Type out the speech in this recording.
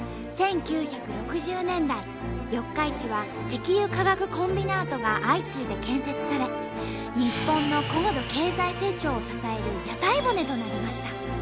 １９６０年代四日市は石油化学コンビナートが相次いで建設され日本の高度経済成長を支える屋台骨となりました。